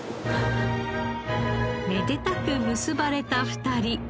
めでたく結ばれた２人。